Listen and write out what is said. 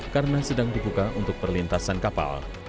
karena sedang dibuka untuk perlintasan kapal